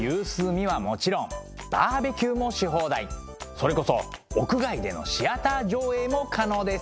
それこそ屋外でのシアター上映も可能です。